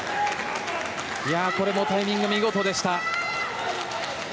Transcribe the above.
これもタイミング、見事でした。